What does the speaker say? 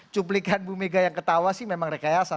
cuplikan bu mega yang ketawa sih memang rekayasa